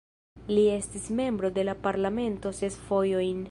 Li estis membro de la Parlamento ses fojojn.